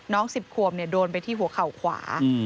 ๑๐ขวบโดนไปที่หัวเข่าขวา